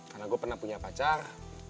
karena gue pernah punya pacar